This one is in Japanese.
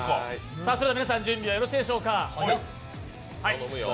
皆さん、準備はよろしいでしょうか。